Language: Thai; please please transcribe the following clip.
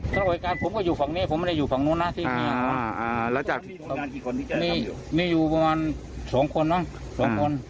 ทุกคนร่วมไว้ทำแผ่นละนะครั้งบนทั้งแผ่นละนะครับ